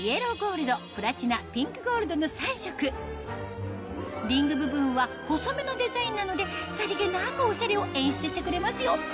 色はの３色リング部分は細めのデザインなのでさりげなくおしゃれを演出してくれますよ